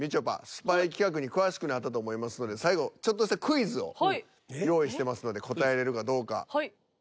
スパイ企画に詳しくなったと思いますので最後用意してますので答えれるかどうか。